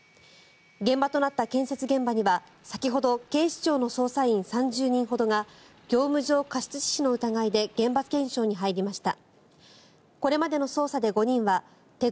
現場となった建設現場には先ほど、警視庁の捜査員３０人ほどが業務上過失致死の疑いで現場検証に入りました。